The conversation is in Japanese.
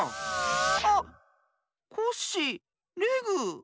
あっコッシーレグ。